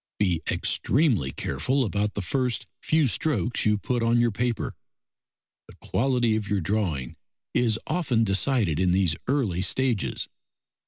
Be extremely careful about the first few strokes you put on your paper: the quality of your drawing is often decided in these early stages.